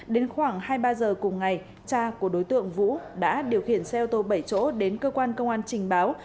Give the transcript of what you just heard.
đến khoảng hai mươi ba h cùng ngày cha của đối tượng vũ đã điều khiển xe ô tô bảy chỗ đến cơ quan công an trình báo